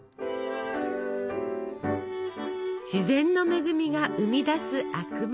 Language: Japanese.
自然の恵みが生み出すあくまき。